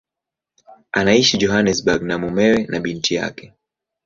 Anaishi Johannesburg na mumewe na binti yake.